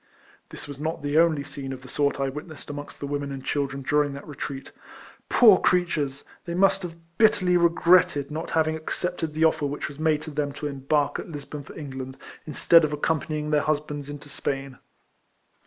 This was not the only scene of the sort I witnessed amongst the Avomen and children during that retreat. Poor creatures ! they must have bitterly re gretted not having accepted the offer which was made to them to embark at Lisbon for England, instead of accompanying their RIFLEMAN HARRIS. 195 husbands into Spain.